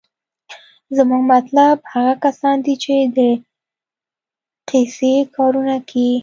زمونګه مطلوب هغه کسان دي چې دقسې کارونه کيي.